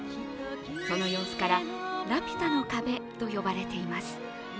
その様子からラピュタの壁と呼ばれています。